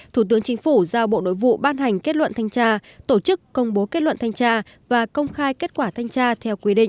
thủ tướng chính phủ giao bộ nội vụ ban hành kết luận thanh tra tổ chức công bố kết luận thanh tra và công khai kết quả thanh tra theo quy định